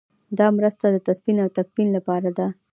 دا مرسته د تدفین او تکفین لپاره ده.